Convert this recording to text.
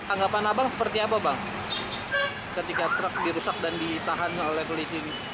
anggapan abang seperti apa bang ketika truk dirusak dan ditahan oleh polisi ini